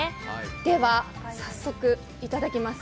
では早速、いただきます。